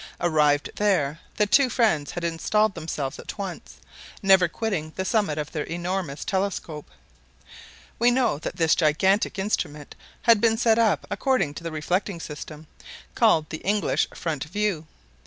Arrived there, the two friends had installed themselves at once, never quitting the summit of their enormous telescope. We know that this gigantic instrument had been set up according to the reflecting system, called by the English "front view."